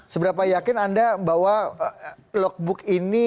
seberapa yakin anda bahwa logbook ini